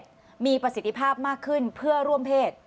ประมีประสิทธิภาพมากขึ้นเพื่อร่วมเพศ